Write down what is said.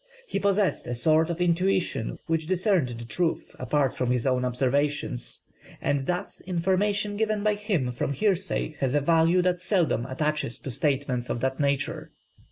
He possessed a sort of intuition which discerned the truth, apart from his own observations, and thus information given by him from hearsay has a value that seldom attaches to statements of that nature.